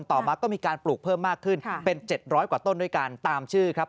ต่อมาก็มีการปลูกเพิ่มมากขึ้นเป็น๗๐๐กว่าต้นด้วยกันตามชื่อครับ